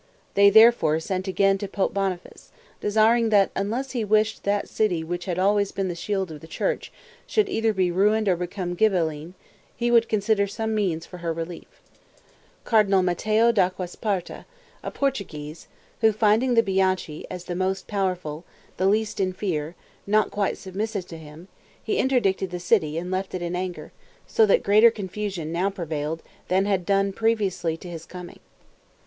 They, therefore, sent again to Pope Boniface, desiring that, unless he wished that city which had always been the shield of the church should either be ruined or become Ghibelline, he would consider some means for her relief. The pontiff thereupon sent to Florence, as his legate, Cardinal Matteo d'Acquasparta, a Portuguese, who, finding the Bianchi, as the most powerful, the least in fear, not quite submissive to him, he interdicted the city, and left it in anger, so that greater confusion now prevailed than had done previously to his coming.